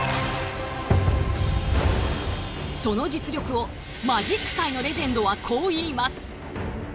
その実力をマジック界のレジェンドはこう言います。